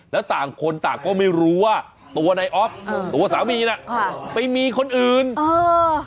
แล้วต่างคนต่างก็ไม่รู้ว่าตัวในออฟตัวสามีน่ะค่ะไปมีคนอื่นเออ